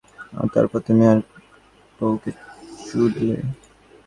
আর তারপর তুমি তার বউকে চুদলে।